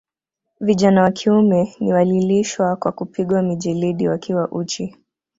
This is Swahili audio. Vijana wa kiume ni walilishwa kwa kupigwa mijeledi wakiwa uchi